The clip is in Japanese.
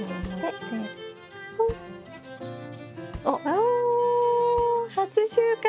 お初収穫。